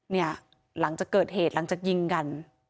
เนี่ยหลังจากเกิดเหตุหลังจากยิงกัน